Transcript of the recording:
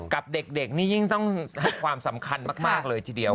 กับเด็กนี่ยิ่งต้องให้ความสำคัญมากเลยทีเดียว